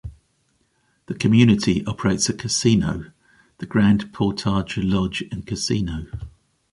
The community operates a casino, the Grand Portage Lodge and Casino.